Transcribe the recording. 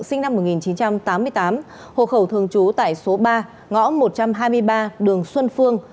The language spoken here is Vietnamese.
sinh năm một nghìn chín trăm tám mươi tám hộ khẩu thường trú tại số ba ngõ một trăm hai mươi ba đường xuân phương